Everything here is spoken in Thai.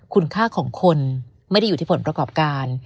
คุณค่าของคนไม่ได้อยู่ที่ผลประกอบการ